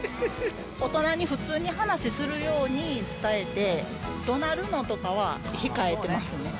大人に普通に話するように伝えて、怒鳴るのとかは控えてますね。